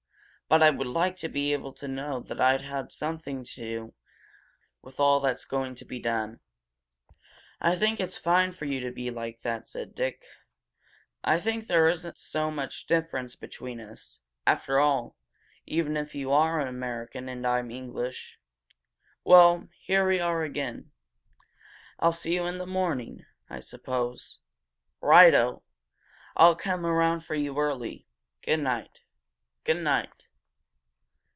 But I would like to be able to know that I'd had something to do with all that's going to be done." "I think it's fine for you to be like that," said Dick. "I think there isn't so much difference between us, after all, even if you are American and I'm English. Well, here we are again. I'll see you in the morning, I suppose?" "Right oh! I'll come around for you early. Goodnight!" "Goodnight!"